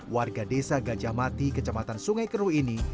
warga desa gajah mati kecamatan sungai keru ini